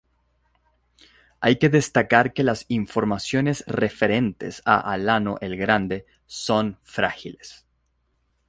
Hay que destacar que las informaciones referentes a Alano el Grande son frágiles.